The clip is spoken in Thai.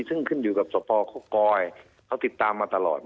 ซึ่งขึ้นอยู่กับสภกอยเขาติดตามมาตลอด